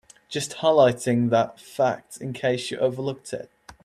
Just highlighting that fact in case you overlooked it.